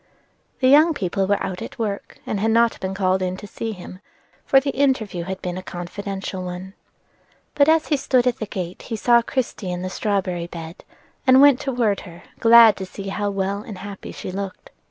The young people were out at work, and had not been called in to see him, for the interview had been a confidential one. But as he stood at the gate he saw Christie in the strawberry bed, and went toward her, glad to see how well and happy she looked.